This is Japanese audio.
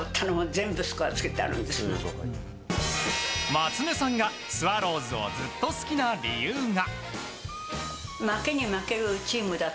松根さんがスワローズをずっと好きな理由が。